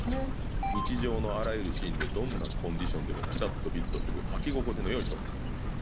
日常のあらゆるシーンでどんなコンディションでもピタッとフィットするはき心地の良いショーツ。